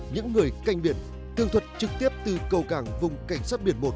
những người canh biển tương thuật trực tiếp từ cầu càng vùng cảnh sát biển một